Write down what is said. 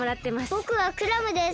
ぼくはクラムです。